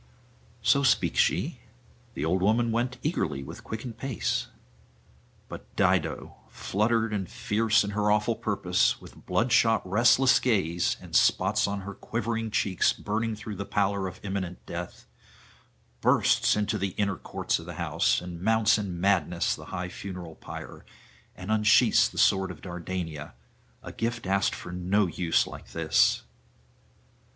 So speaks she; the old woman went eagerly with quickened pace. But Dido, fluttered and fierce in her awful purpose, with bloodshot restless gaze, and spots on her quivering cheeks burning through the pallor of imminent death, bursts into the inner courts of the house, and mounts in madness the high funeral pyre, and unsheathes the sword of Dardania, a gift asked for no use like this.